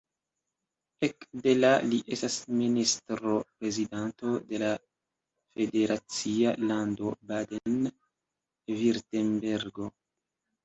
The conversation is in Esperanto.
Ekde la li estas ministro-prezidanto de la federacia lando Baden-Virtembergo.